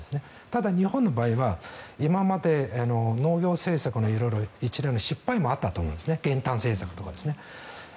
ただ、日本の場合は今まで農業政策の一連の失敗もあったと思うんです減反政策とか。